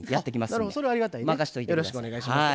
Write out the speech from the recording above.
よろしくお願いします。